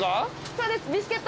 そうです。